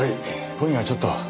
今夜はちょっと。